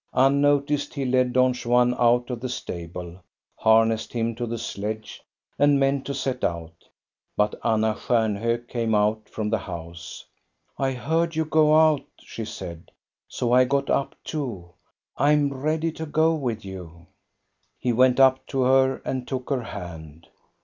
Unnoticed he led Don Juan out of the stable, harnessed him to the sledge, and meant to set out. But Anna Stjarnhok came out from the house. " I heard you go out," she said. " So I got up, too. I am ready to go with you." He went up to her and took her hand.